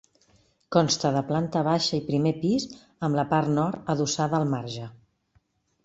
Consta de planta baixa i primer pis, amb la part nord adossada al marge.